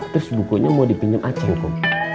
terus bukunya mau dipinjam acing kok